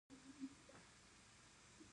آیا ټیکنالوژي اقتصاد ته وده ورکوي؟